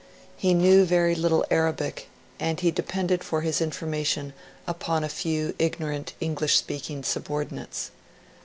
He knew very little Arabic, and he depended for his information upon a few ignorant English speaking subordinates.